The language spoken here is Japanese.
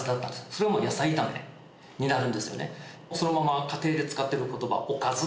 それはもう「野菜炒め」になるんですよね。